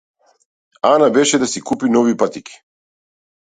Ана беше да си купи нови патики.